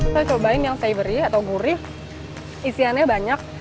saya cobain yang saya beri atau gurih isiannya banyak